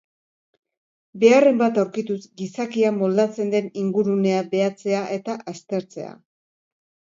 Beharren bat aurkituz, gizakia moldatzen den ingurunea behatzea eta aztertzea.